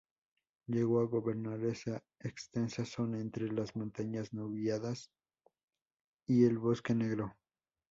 Llegó a gobernar una extensa zona entre las Montañas Nubladas y el Bosque Negro.